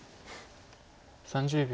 ３０秒。